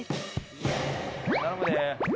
・頼むで。